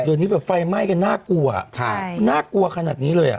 เดี๋ยวนี้แบบไฟไหม้กันน่ากลัวน่ากลัวขนาดนี้เลยอ่ะ